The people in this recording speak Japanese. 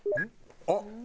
あっ！